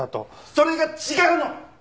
それが違うの！